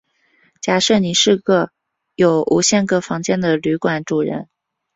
假设你是有无限个房间的旅馆主人。